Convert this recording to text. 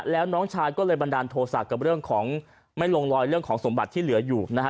แล้วน้องชายก็เลยบันดาลโทษะกับเรื่องของไม่ลงรอยเรื่องของสมบัติที่เหลืออยู่นะฮะ